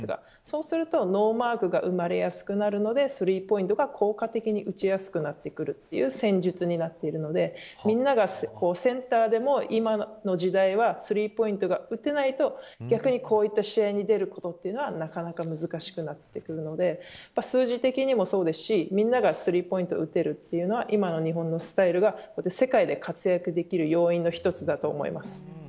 そうすると、ノーマークが生まれやすくなるのでスリーポイントが効果的に打ちやすくなってくるという戦術になっているのでみんながセンターでも今の時代はスリーポイントが打てないと逆にこういった試合に出ることはなかなか難しくなってくるので数字的にもそうですし、みんながスリーポイントを打てるというのは今の日本のスタイルが世界で活躍できる要因の一つだと思います。